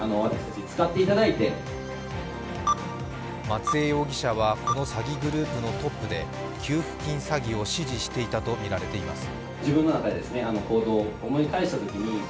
松江容疑者は、この詐欺グループのトップで給付金詐欺を指示していたとみられています。